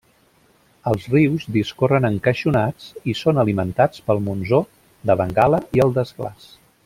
Els rius discorren encaixonats i són alimentats pel monsó de Bengala i el desglaç.